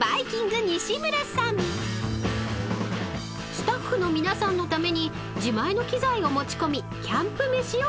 ［スタッフの皆さんのために自前の機材を持ち込み］